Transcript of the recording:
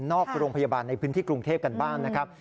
โรงพยาบาลในพื้นที่กรุงเทพกันบ้างนะครับ